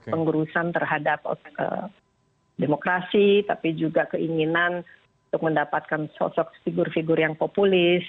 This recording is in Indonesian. pengurusan terhadap demokrasi tapi juga keinginan untuk mendapatkan sosok figur figur yang populis